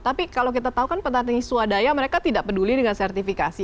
tapi kalau kita tahu kan petani swadaya mereka tidak peduli dengan sertifikasi